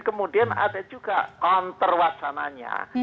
kemudian ada juga counter wacananya